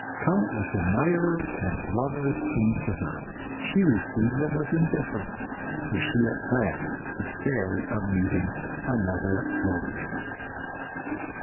Countless admirers and lovers came to her. She received them with indifference, for she at last despaired of meeting another Lollius.